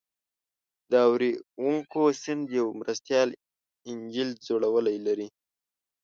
د اورینوکو سیند یوه مرستیال انجیل ځړوی لري.